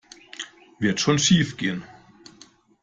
Wird schon schiefgehen.